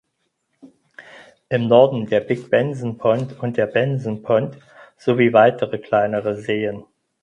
Im Norden der "Big Benson Pond" und der "Benson Pond" sowie weitere kleinere Seen.